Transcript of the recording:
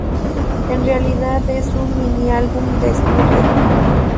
En realidad es un mini-álbum de estudio.